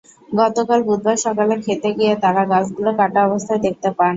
গতকাল বুধবার সকালে খেতে গিয়ে তাঁরা গাছগুলো কাটা অবস্থায় দেখতে পান।